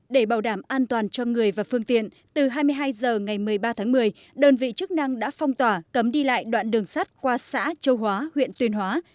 để bảo đảm an toàn cho người và phương tiện từ hai mươi hai h ngày một mươi ba tháng một mươi đơn vị chức năng đã phong tỏa cấm đi lại đoạn đường sắt qua xã châu hóa huyện tuyên hóa